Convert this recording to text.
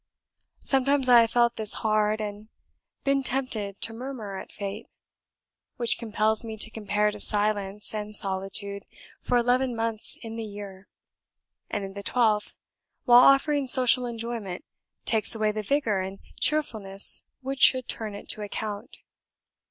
Sometimes I have felt this hard, and been tempted to murmur at Fate, which compels me to comparative silence and solitude for eleven months in the year, and in the twelfth, while offering social enjoyment, takes away the vigour and cheerfulness which should turn it to account.